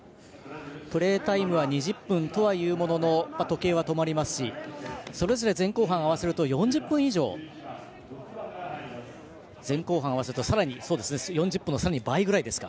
プレータイムは２０分とはいうものの時計は止まりますしそれぞれ前後半合わせると４０分の倍ぐらいですか。